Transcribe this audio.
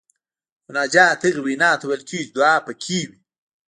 مناجات هغې وینا ته ویل کیږي چې دعا پکې وي.